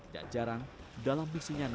dan jarang dalam misinya nanti